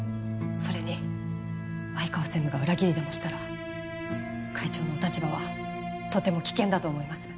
それに相川専務が裏切りでもしたら会長のお立場はとても危険だと思います。